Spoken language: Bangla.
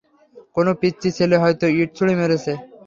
কোনো পিচ্চি ছেলে হয়তো ইট ছুড়ে মেরেছে।